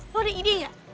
lo ada ide nggak